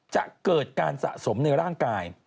จะเกิดการสะสมในร่างกาย